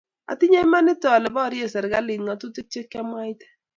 atinye imanit ale barieserikalit ngatutik che kiamwaite